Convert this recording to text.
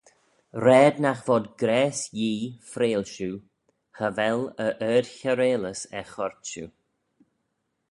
Raad nagh vod graase Yee freayl shiu, cha vel e ard-chiarailys er choyrt shiu.